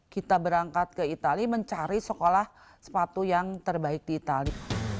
kita berangkat ke itali mencari sekolah sepatu yang terbaik di itali